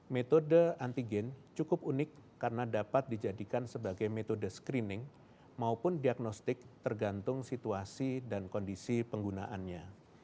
metode antigen cukup unik karena dapat dijadikan sebagai metode screening maupun diagnostik tergantung situasi dan kondisi penggunaannya